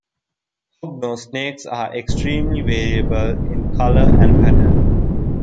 Hognose snakes are extremely variable in color and pattern.